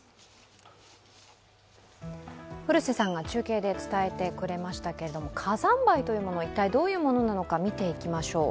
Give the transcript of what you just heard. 古瀬さんが中継で伝えてくれましたけど火山灰とは一体どういうものなのか見ていきましょう。